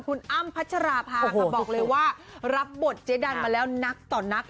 คุณอ้ำพัชราภาค่ะบอกเลยว่ารับบทเจ๊ดันมาแล้วนักต่อนัก